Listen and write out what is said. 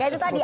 gak itu tadi